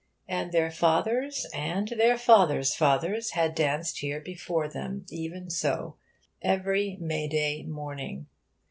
And their fathers and their fathers' fathers had danced here before them, even so, every May day morning.